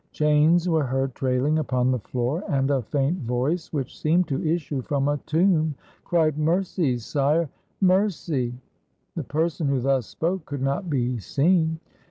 Chains were heard traihng upon the floor, and a faint voice, which seemed to issue from a tomb, cried, ''Mercy, sire! mercy!" The person who thus spoke could not be seen.